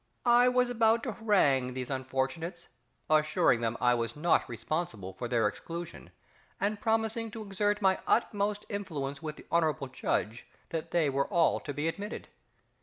I was about to harangue these unfortunates, assuring them I was not responsible for their exclusion, and promising to exert my utmost influence with the Hon'ble Judge that they were all to be admitted.